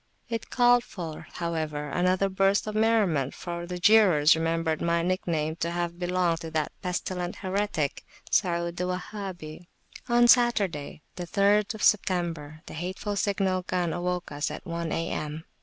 It called forth, however[,] another burst of merriment, for the jeerers remembered my nickname to have belonged to that pestilent heretic, Saud the Wahhabi. On Saturday, the 3rd September, the hateful signal gun awoke us at one A.M.